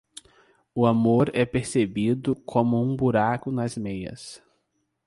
O amor é percebido como um buraco nas meias.